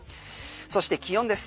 そして気温です